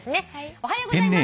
「おはようございます」